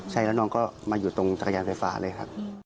ใช่แล้วน้องก็มาอยู่ตรงจักรยานไฟฟ้าเลยครับ